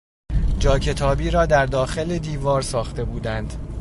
جا کتابی را در داخل دیوار ساخته بودند.